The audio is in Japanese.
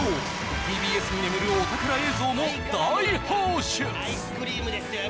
ＴＢＳに眠るお宝映像も大放出！